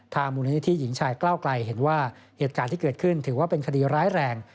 มูลนิธิหญิงชายกล้าวไกลเห็นว่าเหตุการณ์ที่เกิดขึ้นถือว่าเป็นคดีร้ายแรง